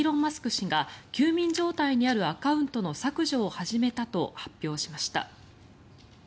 氏が休眠状態にあるアカウントの削除を始めたと発表しました。